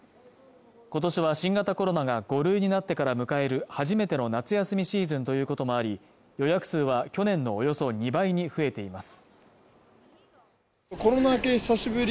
今年は新型コロナが５類になってから迎える初めての夏休みシーズンということもあり予約数は去年のおよそ２倍に増えています